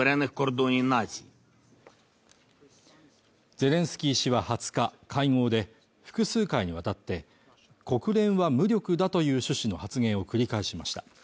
ゼレンスキー氏は２０日会合で複数回に渡って国連は無力だという趣旨の発言を繰り返しました